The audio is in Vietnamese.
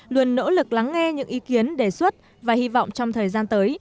luôn nỗ lực lắng nghe những ý kiến đề xuất và hy vọng trong thời gian tới